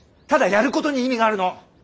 ただやることに意味があるの！